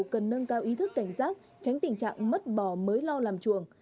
cần nâng cao ý thức cảnh giác tránh tình trạng mất bò mới lo làm chuồng